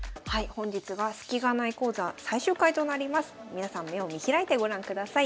皆さん目を見開いてご覧ください。